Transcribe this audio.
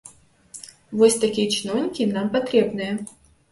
Вось такія чыноўнікі нам патрэбныя!